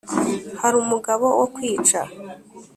hari umugabo wo kwica.